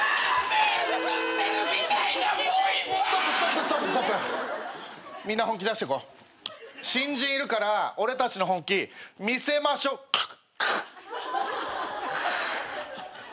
新人いるから俺たちの本気見せましょカッ。